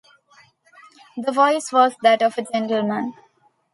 The voice was that of a gentleman.